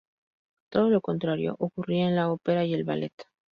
Todo lo contrario ocurría en la ópera y el ballet.